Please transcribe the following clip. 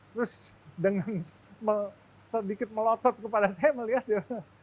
terus dengan sedikit melotot kepada saya melihatnya